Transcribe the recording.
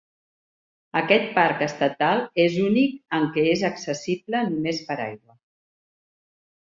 Aquest parc estatal és únic en què és accessible només per aigua.